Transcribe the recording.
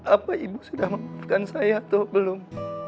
apa ibu sudah membutuhkan saya atau belum